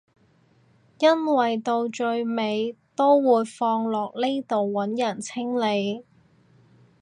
因為到最尾都會放落呢度揾人清理